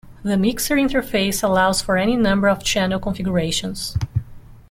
The mixer interface allows for any number of channel configurations.